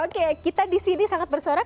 oke kita disini sangat bersorak